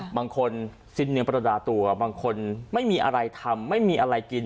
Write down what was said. บางคนสิ้นเนื้อประดาตัวบางคนไม่มีอะไรทำไม่มีอะไรกิน